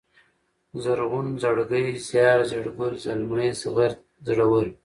زرغون ، زړگی ، زيار ، زېړگل ، زلمی ، زغرد ، زړور